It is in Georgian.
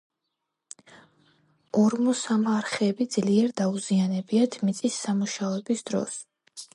ორმოსამარხები ძლიერ დაუზიანებიათ მიწის სამუშაოების დროს.